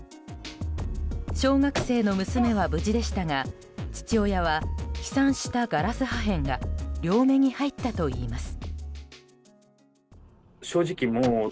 小学生の娘は無事でしたが父親は飛散したガラス破片が両目に入ったといいます。